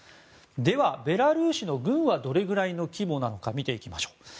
では、ベラルーシの軍はどれぐらいの規模なのか見ていきましょう。